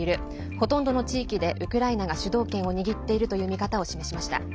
ほとんどの地域でウクライナが主導権を握っているという見方を示しました。